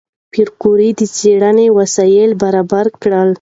پېیر کوري د څېړنې وسایل برابر کړل.